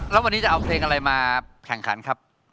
แล้ววันนี้จะเอาเพลงอะไรมาแข่งขันครับ